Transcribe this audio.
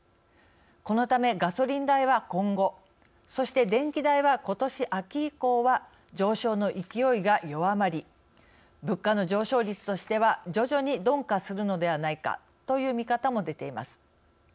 このため、ガソリン代は今後そして電気代は、ことし秋以降は上昇の勢いが弱まり物価の上昇率としては徐々に鈍化するのではないかという見方も出ています。